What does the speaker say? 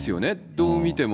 どう見ても。